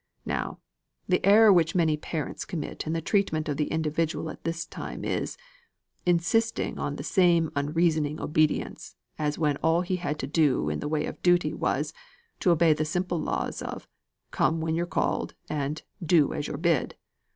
Now, the error which many parents commit in the treatment of the individual at this time is, insisting on the same unreasoning obedience as when all he had to do in the way of duty was, to obey the simple laws of 'Come when you're called,' and 'Do as you're bid!